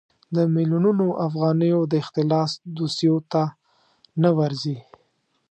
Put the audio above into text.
د میلیونونو افغانیو د اختلاس دوسیو ته نه ورځي.